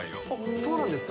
そうなんですか。